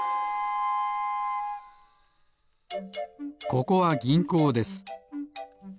ここはぎんこうです。